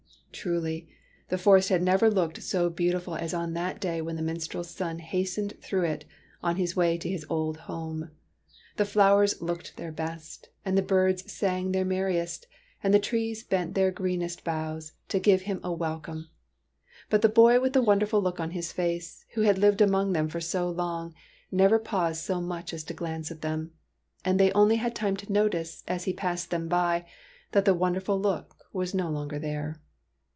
Truly, the forest had never looked so beauti ful as on that day when the minstrel's son hastened through it on his way to his old home. The flowers looked their best, and the birds sang their merriest, and the trees bent their greenest boughs, to give him a wel TEARS OF PRINCESS PRUNELLA 117 come ; but the boy with the wonderful look on his face, who had lived among them for so long, never paused so much as to glance at them, and they only had time to notice, as he passed them by, that the wonderful look was no longer there.